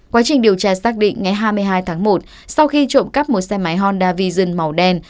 quá trình điều tra xác định ngày hai mươi hai tháng một sau khi trộm cắp một xe máy honda vision màu đen